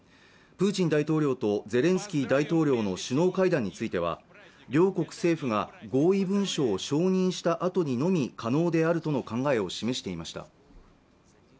プーチン大統領とゼレンスキー大統領の首脳会談については両国政府が合意文書を承認したあとにのみ可能であるとの考えを示していました